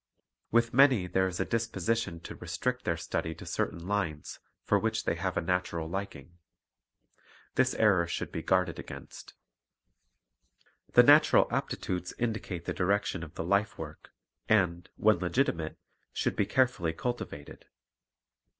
With many there is a disposition to restrict their study to certain lines, for which they have a natural liking. This error should be guarded against. Methods of Teaching 233 The natural aptitudes indicate the direction of the life work, and, when legitimate, should be carefully culti vated.